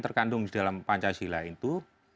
terkandung di dalam pancasila itu